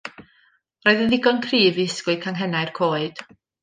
Roedd yn ddigon cryf i ysgwyd canghennau'r coed.